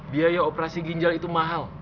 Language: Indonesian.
biaya operasi ginjal itu mahal